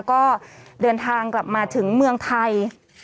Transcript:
ก็เดินทางกลับมาถึงเมืองไทย